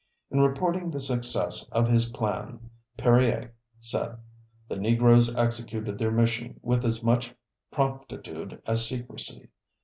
In reporting the success of his plan Perier said: "The Negroes executed their mission with as much promptitude as secrecy.